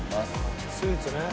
スイーツね。